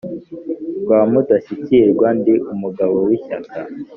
Rwa Mudashyikirwa ndi umugabo w'ishyaka